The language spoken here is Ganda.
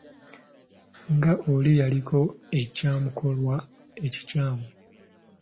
Nga oli yaliko ekyamukolwa ekikyamu